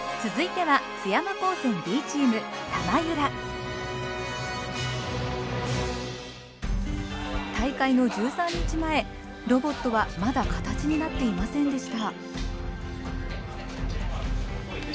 続いては大会の１３日前ロボットはまだ形になっていませんでした。